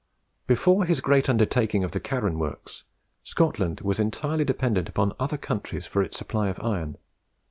Before his great undertaking of the Carron Works, Scotland was entirely dependent upon other countries for its supply of iron.